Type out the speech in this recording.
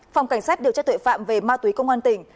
phòng cảnh sát điều tra tội phạm về ma túy công an tỉnh